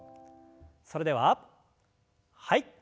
それでははい。